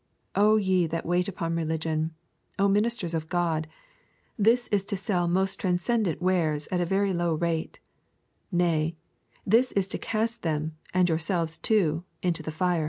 O ye that wait upon religion, O ministers of God, this is to sell most transcendent wares at a very low rate nay, this is to cast them, and yourselves too, into the fire.'